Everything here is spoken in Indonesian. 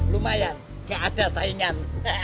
lumayan gak ada saingan